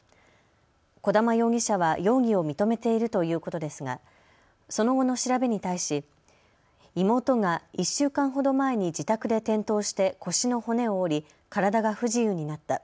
小玉容疑者は容疑を認めているということですがその後の調べに対し妹が１週間ほど前に自宅で転倒して腰の骨を折り体が不自由になった。